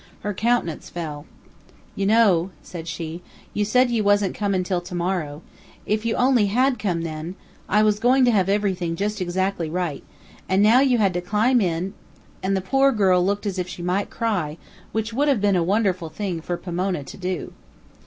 Her countenance fell. "You know," said she, "you said you wasn't comin' till to morrow. If you only HAD come then I was goin' to have everything just exactly right an' now you had to climb in " And the poor girl looked as if she might cry, which would have been a wonderful thing for Pomona to do.